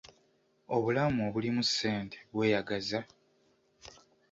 Obulamu obulimu ssente bweyagaza.